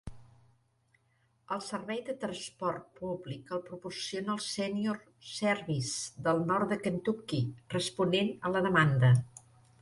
El servei de transport públic el proporciona el Senior Services del nord de Kentucky, responent a la demanda.